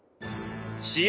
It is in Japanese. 試合。